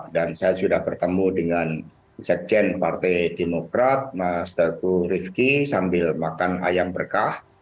dan saya sudah bertemu dengan wasekjen partai demokrat mas datu rifki sambil makan ayam berkah